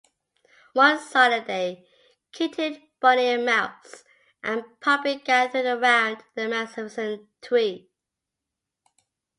One sunny day, Kitten, Bunny, Mouse, and Puppy gathered around a magnificent tree.